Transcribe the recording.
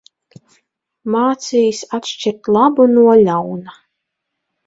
Mācījis atšķirt labu no ļauna.